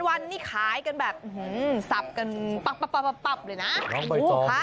วันนี้ขายกันแบบสับกันปับเลยนะ